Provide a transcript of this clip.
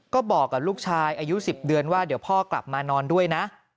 ก็บอกกับลูกชายอายุ๑๐เดือนว่าเดี๋ยวพ่อกลับมานอนด้วยนะ